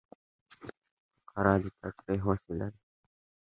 فقره د تشریح وسیله ده.